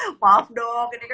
ini gak boleh damar ya dok ya